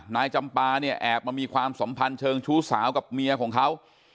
นายจำปาเนี่ยแอบมามีความสัมพันธ์เชิงชู้สาวกับเมียของเขา